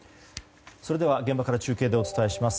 現場から中継でお伝えします。